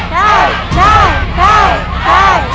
ได้ได้ได้ได้